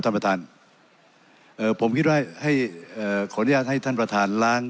ท่านประธานเอ่อผมคิดว่าให้เอ่อขออนุญาตให้ท่านประธานล้าง